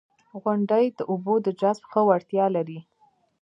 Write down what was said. • غونډۍ د اوبو د جذب ښه وړتیا لري.